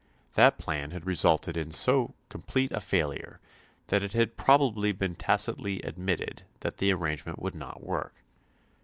That plan had resulted in so complete a failure that it had probably been tacitly admitted that the arrangement would not work.